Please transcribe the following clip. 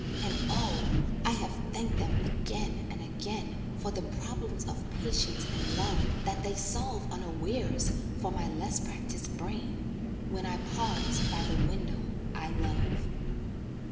And O! I have thanked them again and again For the problems of patience and love That they solve unawares for my less practiced brain When I pause by the window I love.